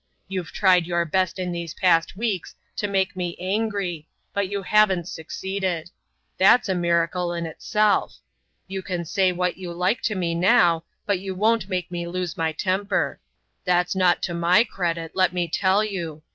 You've tried your best in these past weeks to make me angry but you haven't succeeded. That's a miracle in itself. You can say what you like to me now but you won't make me lose my temper. That's not to my credit, let me tell you!